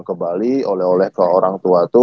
kembali oleh oleh ke orang tua